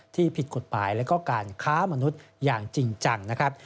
ผิดกฎหมายและการค้ามนุษย์อย่างจริงจังนะครับ